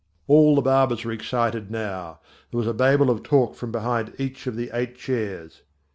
All the barbers were excited now. There was a babel of talk from behind each of the eight chairs.